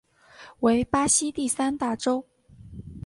为巴西第三大州。